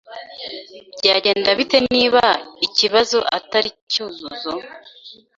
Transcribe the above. Byagenda bite niba ikibazo atari Cyuzuzo?